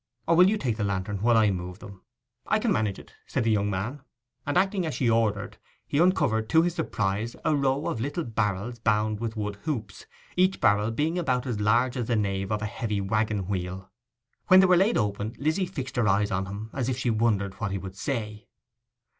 'Or will you take the lantern while I move them?' 'I can manage it,' said the young man, and acting as she ordered, he uncovered, to his surprise, a row of little barrels bound with wood hoops, each barrel being about as large as the nave of a heavy waggon wheel. When they were laid open Lizzy fixed her eyes on him, as if she wondered what he would say.